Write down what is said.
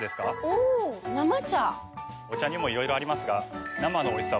お茶にもいろいろありますが。